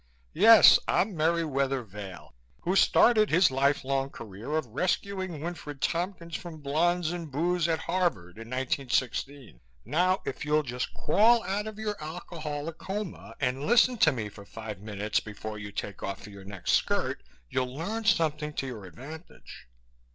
"Yes, I'm Merriwether Vail who started his life long career of rescuing Winfred Tompkins from blondes and booze at Harvard in 1916. Now, if you'll just crawl out of your alcoholic coma and listen to me for five minutes before you take off for your next skirt, you'll learn something to your advantage."